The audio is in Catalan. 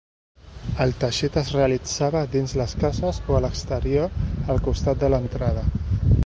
El teixit es realitzava dins les cases o a l’exterior al costat de l’entrada.